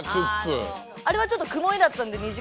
あれはちょっとくもりだったんで２時間ぐらい。